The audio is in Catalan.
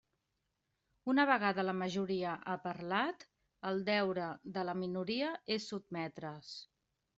Una vegada la majoria ha parlat, el deure de la minoria és sotmetre's.